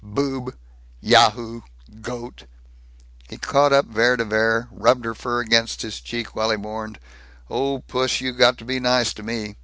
Boob! Yahoo! Goat!" He caught up Vere de Vere, rubbed her fur against his cheek while he mourned, "Oh, puss, you got to be nice to me.